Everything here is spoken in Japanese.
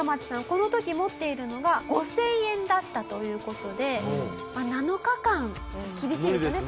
この時持っているのが５０００円だったという事で７日間厳しいですよね